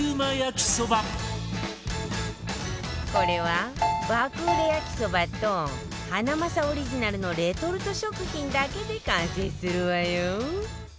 これは爆売れ焼きそばとハナマサオリジナルのレトルト食品だけで完成するわよ